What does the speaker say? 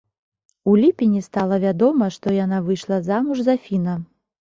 У ліпені стала вядома, што яна выйшла замуж за фіна.